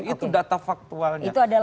itu data faktualnya